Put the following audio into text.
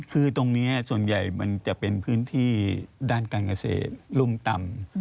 คือตรงนี้ส่วนใหญ่มันจะเป็นพื้นที่ด้านการเกษตรรุ่มต่ำ